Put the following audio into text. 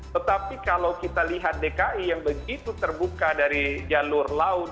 tetapi kalau kita lihat dki yang begitu terbuka dari jalur laut